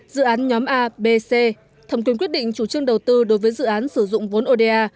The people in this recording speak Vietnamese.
dự án nhóm a b c thẩm quyền quyết định chủ trương đầu tư đối với dự án sử dụng vốn oda